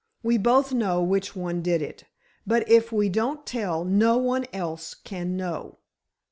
We both know which one did it, but if we don't tell, no one else can know.